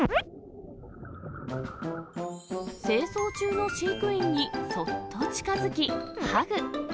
清掃中の飼育員にそっと近づき、ハグ。